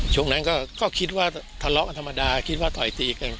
ช่วงนั้นก็คิดว่าทะเลาะกันธรรมดาคิดว่าต่อยตีกัน